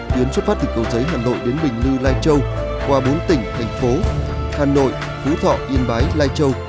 tuyến xuất phát từ cầu giấy hà nội đến bình lư lai châu qua bốn tỉnh thành phố hà nội phú thọ yên bái lai châu